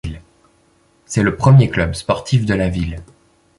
C'est le premier club sportif de la ville.